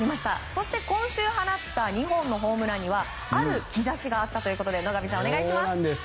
そして、今週放った２本のホームランにはある兆しがあったということで野上さん、お願いします。